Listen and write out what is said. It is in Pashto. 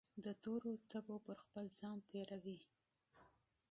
دتورو تبو پرخپل ځان تیروي